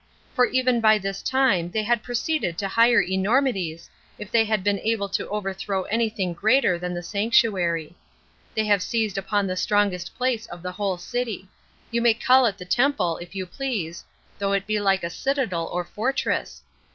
for even by this time they had proceeded to higher enormities, if they had been able to overthrow any thing greater than the sanctuary. They have seized upon the strongest place of the whole city; you may call it the temple, if you please, though it be like a citadel or fortress.